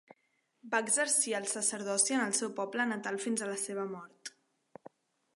Va exercir el sacerdoci en el seu poble natal fins a la seva mort.